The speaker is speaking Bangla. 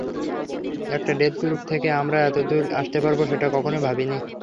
একটা ডেথ গ্রুপ থেকে আমরা এতদূর আসতে পারব, সেটা অনেকেই ভাবেনি।